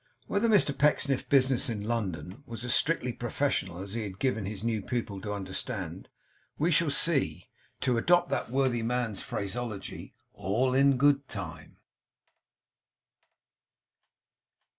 Whether Mr Pecksniff's business in London was as strictly professional as he had given his new pupil to understand, we shall see, to adopt that worthy man's phraseology, 'all in good time.